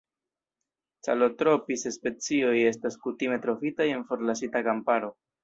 Calotropis-specioj estas kutime trovitaj en forlasita kamparo.